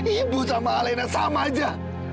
ibu sama alena sama aja